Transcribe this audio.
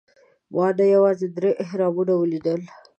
ما نه یوازې درې اهرامونه ولیدل.